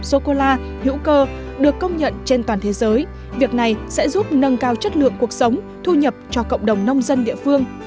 sô cô la hữu cơ được công nhận trên toàn thế giới việc này sẽ giúp nâng cao chất lượng cuộc sống thu nhập cho cộng đồng nông dân địa phương